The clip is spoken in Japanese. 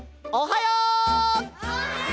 おはよう！